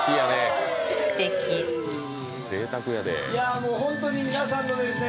いやもうホントに皆さんのですね